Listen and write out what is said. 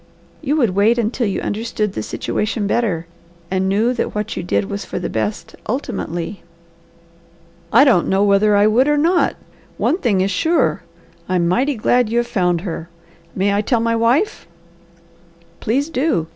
You would wait until you understood the situation better, and knew that what you did was for the best, ultimately." "I don't know whether I would or not. One thing is sure: I'm mighty glad you have found her. May I tell my wife?" "Please do!